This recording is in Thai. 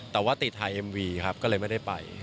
แต่ว่าติดไทยเอ็มวีครับก็เลยไม่ได้ไป